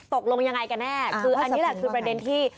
ตกลงยังไงกันแน่คืออันนี้แหละคือประเด็นที่